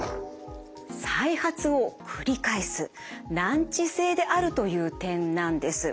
再発を繰り返す難治性であるという点なんです。